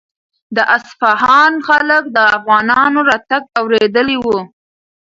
د اصفهان خلک د افغانانو راتګ اورېدلی و.